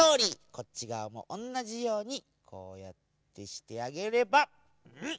こっちがわもおんなじようにこうやってしてあげればうん！